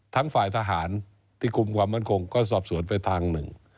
ทั้งฝ่ายทหารที่คุมความมั่นคงก็สอบสวนไปทางหนึ่ง